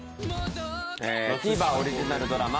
ＴＶｅｒオリジナルドラマ